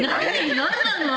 何なの？